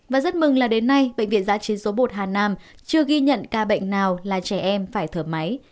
và rất mừng là đến nay bệnh viện giã chiến số một hà nam chưa ghi nhận ca bệnh nào là trẻ em phải thở máy